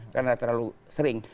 karena terlalu sering